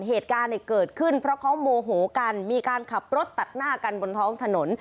เหตุการณ์เนี่ยเกิดขึ้นเพราะเขาโมโหกันมีการขับรถตัดหน้ากันบนท้องถนน